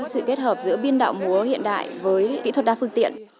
sự kết hợp giữa biên đạo múa hiện đại với kỹ thuật đa phương tiện